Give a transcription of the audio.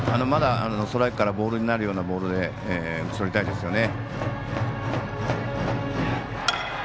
ストライクからボールになるようなボールで打ち取りたいですよね。